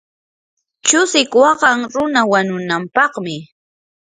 chusiq waqan runa wanunampaqmi.